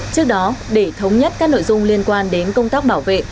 trước đó để thống nhất các nội dung liên quan đến công tác bảo vệ